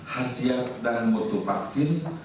hasil dan bentuk vaksin